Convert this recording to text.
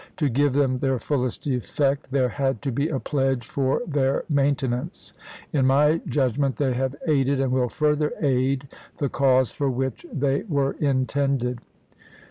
To give them their fullest effect, there had to be a pledge for their maintenance. In my judgment they have aided and will further aid the cause for which they 108 ABRAHAM LINCOLN chap.v. were intended.